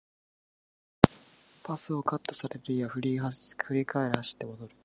パスをカットされるや振り返り走って戻る